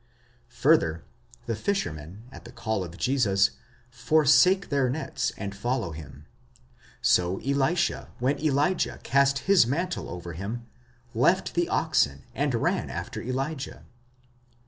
Further, the fishermen, at the call of Jesus, forsake their nets and follow him ; so Elisha, when Elijah cast his mantle over him, ἐγ the oxen, and ran after Elijah.